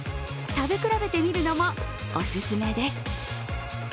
食べ比べてみるのもお勧めです。